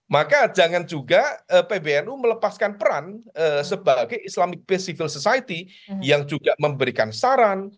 maka jangan juga pbnu melepaskan peran sebagai islamic bacivil society yang juga memberikan saran